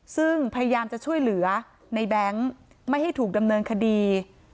ซึ่งพยายามจะช่วยเหลือในแบงค์ไม่ให้ถูกดำเนินคดี